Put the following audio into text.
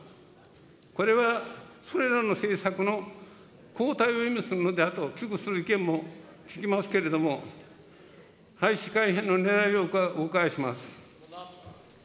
これはそれらの政策の後退を意味すると危惧する意見も聞きますけれども、廃止・改変のねらいを伺います。